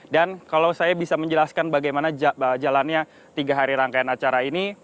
dan kalau saya bisa menjelaskan bagaimana jalannya tiga hari rangkaian acara ini